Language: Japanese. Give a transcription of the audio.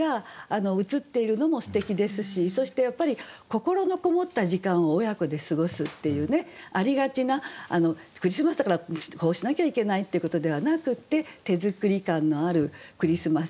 そしてやっぱり心のこもった時間を親子で過ごすっていうねありがちなクリスマスだからこうしなきゃいけないっていうことではなくって手作り感のあるクリスマス。